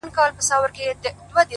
• د ځناورو له خاندان دی ,